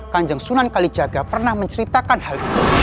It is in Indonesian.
kanjeng sunan kalijaga pernah menceritakan hal itu